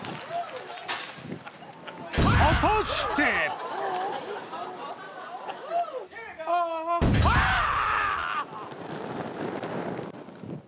果たしてあっあっあぁ！